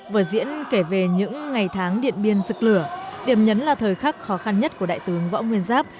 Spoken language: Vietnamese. vở diễn kể về những ngày tháng điện biên rực lửa điểm nhấn là thời khắc khó khăn nhất của đại tướng võ nguyên giáp